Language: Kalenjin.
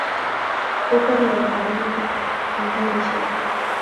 Kotariren taritik eng kundishek